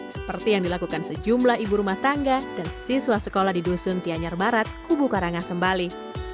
seperti yang dilakukan sejumlah ibu rumah tangga dan siswa sekolah di dusun tianyar barat kubu karangasembali